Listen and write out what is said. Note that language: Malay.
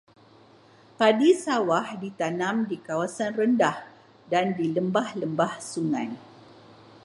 Padi sawah ditanam di kawasan rendah dan di lembah-lembah sungai.